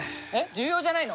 重要じゃないの？